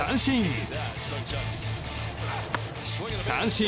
三振！